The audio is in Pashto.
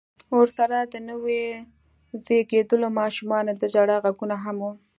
ورسره د نويو زيږېدليو ماشومانو د ژړا غږونه هم و.